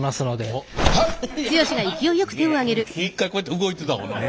一回こうやって動いてたもんな。